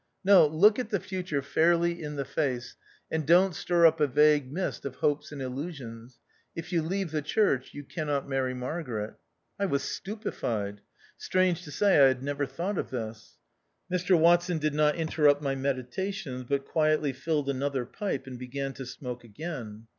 No ; look at the future fairly in the face, and don't stir up a vague mist of hopes and illusions. If you leave the church, you cannot marry Mar garet." I was stupefied. Strange to say, I had never thought of this. Mr Watson did not interrupt my medita tions, but quietly filled another pipe and began to smoke again.